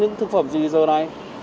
những thực phẩm gì giờ này